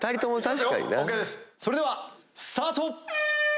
それではスタート！